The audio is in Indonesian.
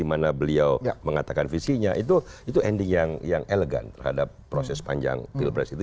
dimana beliau mengatakan visinya itu ending yang elegan terhadap proses panjang pilpres itu